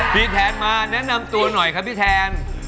แทนมาแนะนำตัวหน่อยครับพี่แทน